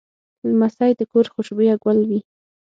لمسی د کور خوشبویه ګل وي.